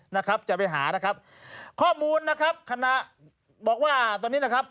นะครับจะไปหานะครับข้อมูลนะครับคณะบอกว่าตอนนี้นะครับ